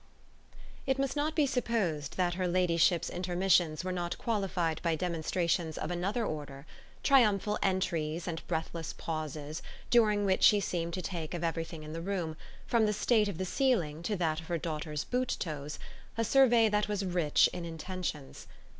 XI It must not be supposed that her ladyship's intermissions were not qualified by demonstrations of another order triumphal entries and breathless pauses during which she seemed to take of everything in the room, from the state of the ceiling to that of her daughter's boot toes, a survey that was rich in intentions.